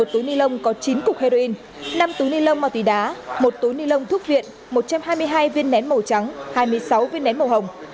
một túi ni lông có chín cục heroin năm túi ni lông màu tí đá một túi ni lông thuốc viện một trăm hai mươi hai viên nén màu trắng hai mươi sáu viên nén màu hồng